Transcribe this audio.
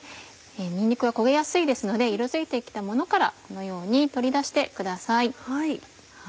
にんにくは焦げやすいので色づいて来たものからこのように取り出してください。